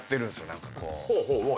何かこう。